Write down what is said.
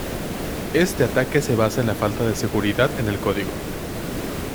Este ataque se basa en la falta de seguridad en el código.